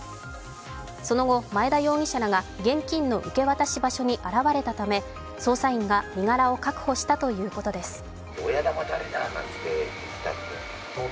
その後、前田容疑者らが現金の受け渡し場所に現れたため捜査員が身柄を確保したということです。